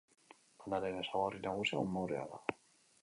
Lanaren ezaugarri nagusia umorea da.